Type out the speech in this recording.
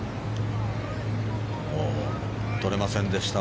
取れませんでした。